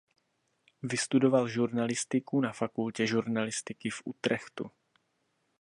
Vystudoval žurnalistiku na fakultě žurnalistiky v Utrechtu.